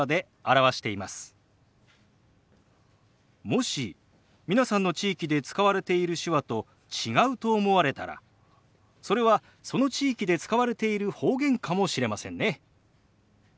もし皆さんの地域で使われている手話と違うと思われたらそれはその地域で使われている方言かもしれませんね。